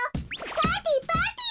パーティーパーティー！